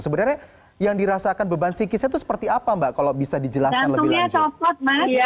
sebenarnya yang dirasakan beban psikisnya itu seperti apa mbak kalau bisa dijelaskan lebih lanjut